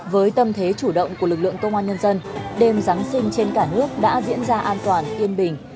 với tâm thế chủ động của lực lượng công an nhân dân đêm giáng sinh trên cả nước đã diễn ra an toàn yên bình